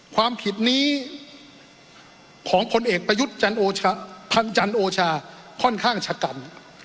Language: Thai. ความผิดนี้ของผลเอกประยุทธ์จันโอชาค่อนข้างชะกัน